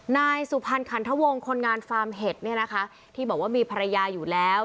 นายสุพรรณขันทวงคนงานฟาร์มเห็ดเนี่ยนะคะที่บอกว่ามีภรรยาอยู่แล้ว